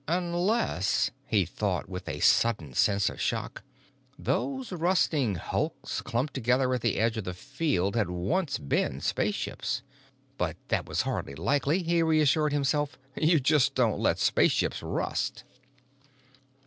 Unless—he thought with a sudden sense of shock—those rusting hulks clumped together at the edge of the field had once been spaceships. But that was hardly likely, he reassured himself. You just don't let spaceships rust.